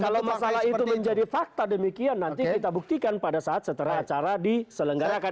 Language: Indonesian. kalau masalah itu menjadi fakta demikian nanti kita buktikan pada saat setelah acara diselenggarakan